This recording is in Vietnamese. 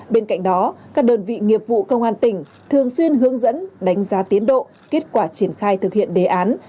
bên cạnh đó các đơn vị nghiệp vụ công an tỉnh thường xuyên hướng dẫn đánh giá tiến độ kết quả triển khai thực hiện đề án